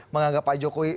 menganggap pak jokowi